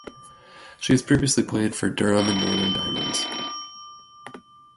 She has previously played for Durham and Northern Diamonds.